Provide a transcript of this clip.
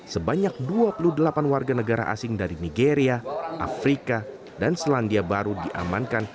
sebanyak dua puluh delapan warga negara asing dari nigeria afrika dan selandia baru diamankan